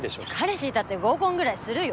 いたって合コンぐらいするよ